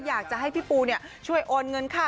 อยากจะให้พี่ปูช่วยโอนเงินค่า